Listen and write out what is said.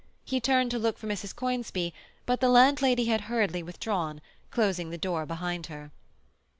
He turned to look for Mrs. Conisbee, but the landlady had hurriedly withdrawn, closing the door behind her.